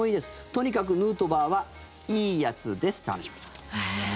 とにかくヌートバーはいいやつですと話しました。